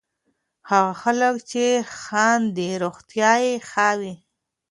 هغه خلک چې خاندي، روغتیا یې ښه وي.